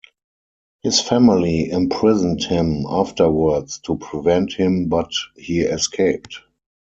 His family imprisoned him afterwards to prevent him but he escaped.